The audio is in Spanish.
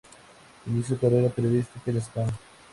Inició su carrera periodística en España.